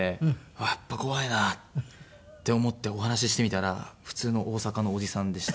やっぱ怖いなって思ってお話ししてみたら普通の大阪のおじさんでした。